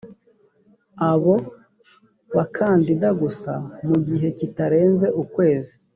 abo bakandida gusa mu gihe kitarenze ukwezi